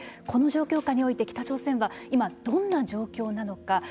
この状況下において北朝鮮は今どんな状況なのか。